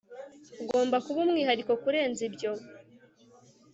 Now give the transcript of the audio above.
Ugomba kuba umwihariko kurenza ibyo